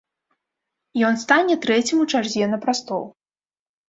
Ён стане трэцім у чарзе на прастол.